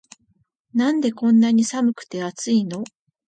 なんでこんなに寒くて熱いの